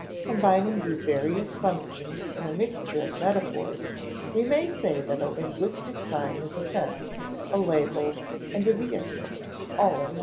Combining these various functions in a mixture of metaphors, we may say that a linguistic sign is a fence, a label, and a vehicle all in one.